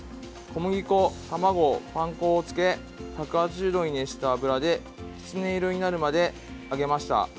小麦粉、卵、パン粉をつけ１８０度に熱した油でキツネ色になるまで揚げました。